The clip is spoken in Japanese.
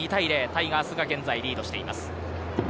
タイガースが現在リードしています。